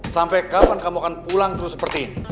sampai kapan kamu akan pulang terus seperti ini